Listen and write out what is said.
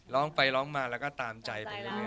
ร้องไปร้องมาและตามใจ